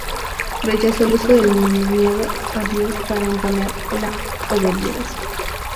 Rechazó el uso del miedo a Dios para imponer la obediencia.